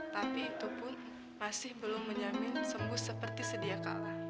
tapi itu pun masih belum menjamin sembuh seperti sedia kala